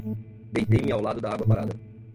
Deitei-me ao lado da água parada.